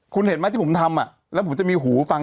คุณเห็นไหมที่ผมทำแล้วผมจะมีหูฟัง